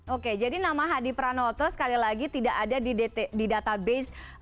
oke jadi nama hadi pranoto sekali lagi tidak ada di database